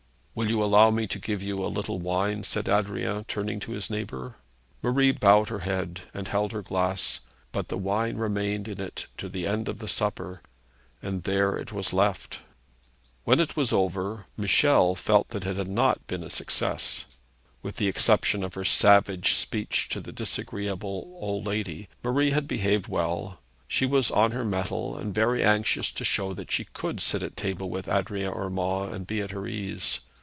'Will you allow me to give you a little wine?' said Adrian, turning to his neighbour. Marie bowed her head, and held her glass, but the wine remained in it to the end of the supper, and there it was left. When it was all over, Michel felt that it had not been a success. With the exception of her savage speech to the disagreeable old lady, Marie had behaved well. She was on her mettle, and very anxious to show that she could sit at table with Adrian Urmand, and be at her ease.